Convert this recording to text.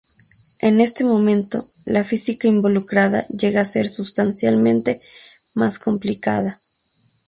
En este momento, la física involucrada llega a ser substancialmente más complicada.